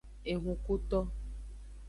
Ehunkuto.